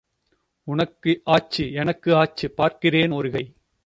உனக்கு ஆச்சு, எனக்கு ஆச்சு பார்க்கிறேன் ஒரு கை.